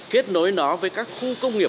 kết nối nó với các khu công nghiệp